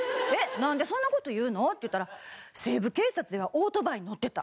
なんでそんな事言うの？って言ったら『西部警察』ではオートバイに乗ってた。